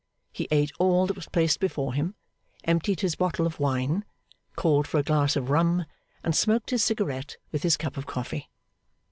He ate all that was placed before him, emptied his bottle of wine, called for a glass of rum, and smoked his cigarette with his cup of coffee.